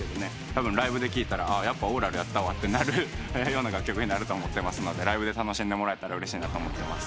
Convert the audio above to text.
たぶんライブで聴いたらやっぱオーラルやったわってなるような楽曲になると思ってますのでライブで楽しんでもらえたらうれしいなと思ってます。